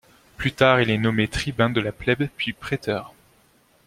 Plus tard, il est nommé tribun de la plèbe puis préteur.